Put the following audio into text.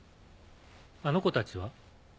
あの子たちは？